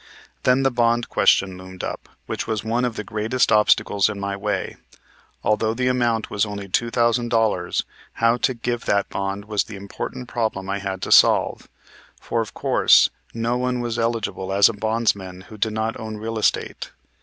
Then the bond question loomed up, which was one of the greatest obstacles in my way, although the amount was only two thousand dollars. How to give that bond was the important problem I had to solve, for, of course, no one was eligible as a bondsman who did not own real estate.